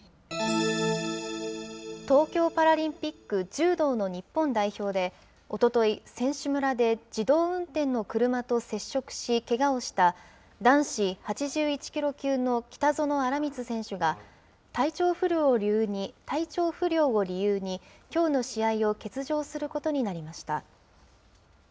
東京パラリンピック柔道の日本代表で、おととい、選手村で自動運転の車と接触しけがをした、男子８１キロ級の北薗新光選手が、体調不良を理由にきょうの試合を欠場することになりました。